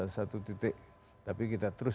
satu titik tapi kita terus